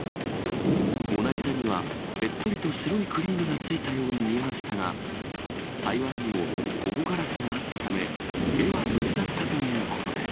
モナリザには、べっとりと白いクリームがついたように見えましたが、幸いにも、保護ガラスがあったため、絵は無事だったということで